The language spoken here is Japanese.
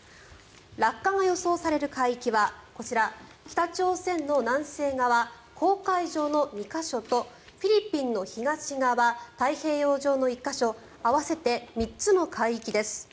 落下が予想される海域はこちら、北朝鮮の南西側黄海上の２か所とフィリピンの東側太平洋上の１か所合わせて３つの海域です。